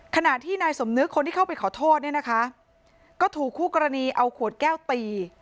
ขณะที่นายสมนึกคนที่เข้าไปขอโทษเนี่ยนะคะก็ถูกคู่กรณีเอาขวดแก้วตี